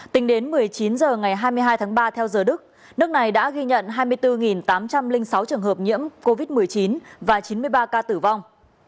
tính đến một mươi chín h ngày hai mươi hai tháng ba theo giờ đức nước này đã ghi nhận hai mươi bốn tám trăm linh sáu trường hợp nhiễm covid một mươi chín và chín mươi ba ca tử vong